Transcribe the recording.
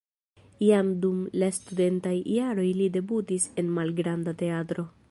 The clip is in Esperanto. Jam dum la studentaj jaroj li debutis en malgranda teatro.